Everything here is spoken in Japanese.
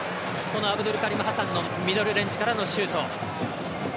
アブドゥルカリム・ハサンのミドルレンジからのシュート。